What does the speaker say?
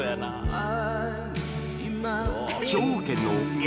ああ